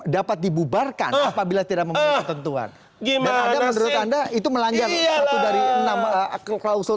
dapat dibubarkan apabila tidak memiliki ketentuan dan anda menurut anda itu melanjang dari klausul